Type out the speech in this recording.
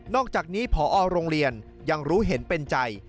อกจากนี้พอโรงเรียนยังรู้เห็นเป็นใจ